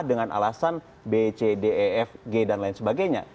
dengan alasan b c d e fg dan lain sebagainya